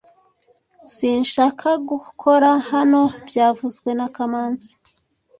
Sinshaka gukora hano byavuzwe na kamanzi